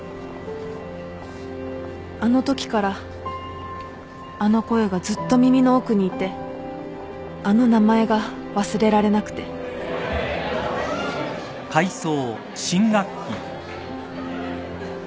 あの時からあの声がずっと耳の奥にいてあの名前が忘れられなくて想。